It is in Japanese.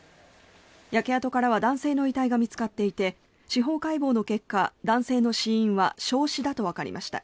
焼け跡からは男性の遺体が見つかっていて司法解剖の結果、男性の死因は焼死だとわかりました。